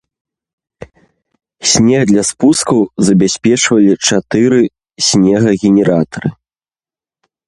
Снег для спускаў забяспечвалі чатыры снегагенератары.